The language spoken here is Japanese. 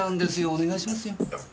お願いしますよ。